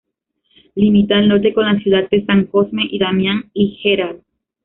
Limita al norte con la ciudad de San Cosme y Damián y Gral.